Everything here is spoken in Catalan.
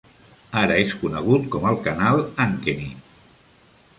Ara és conegut com el canal Ankeny.